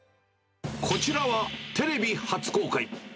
こちらは、テレビ初公開。